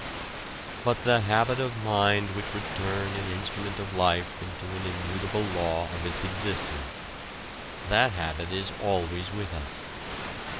But the habit of mind which would turn an instrument of life into an immutable law of its existence that habit is always with us.